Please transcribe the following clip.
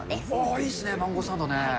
いいっすね、マンゴーサンド